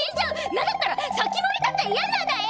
なんだったら防人だって嫌なんだよ！